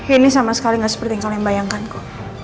ini sama sekali gak seperti yang kalian bayangkanku